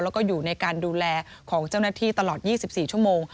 แล้วก็อยู่ในการดูแลของเจ้าหน้าที่ตลอด๒๔ชั่วโมง